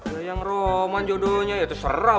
yang yang roman jodohnya itu saraf